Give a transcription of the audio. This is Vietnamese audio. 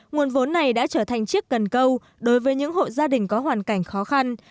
nguồn vốn này đã trở thành chiếc cần câu đối với những hộ gia đình có hoàn cảnh khó khăn